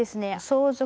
相続